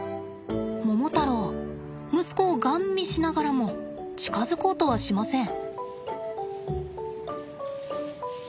モモタロウ息子をガン見しながらも近づこうとはしません。